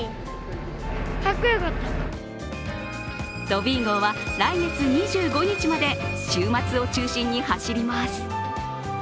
トビー号は来月２５日まで週末を中心に走ります。